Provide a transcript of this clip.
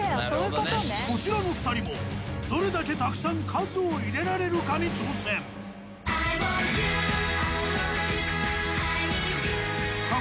こちらの２人もどれだけたくさん数を入れられるかに挑戦Ｉｗａｎｔｙｏｕ！